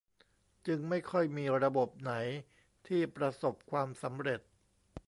จึงไม่ค่อยมีระบบไหนที่ประสบความสำเร็จ